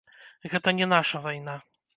Гэта не наша вайна.